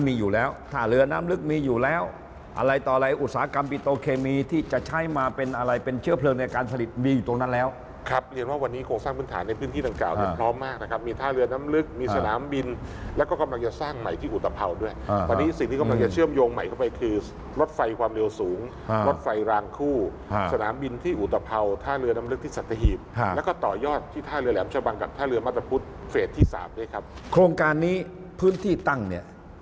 มีอยู่แล้วถ้าเรือน้ำลึกมีอยู่แล้วอะไรต่ออะไรอุตสาหกรรมปิโตเคมีที่จะใช้มาเป็นอะไรเป็นเชื่อเพลิงในการสลิดมีอยู่ตรงนั้นแล้วครับเรียนว่าวันนี้โครงสร้างพื้นฐานในพื้นที่ดังกล่าวพร้อมมากนะครับมีถ้าเรือน้ำลึกมีสนามบินแล้วก็กำลังจะสร้างใหม่ที่อุตพาวด้วยวันนี้สิ่งที่กำลังจะเชื่อมโยงใหม่เข้า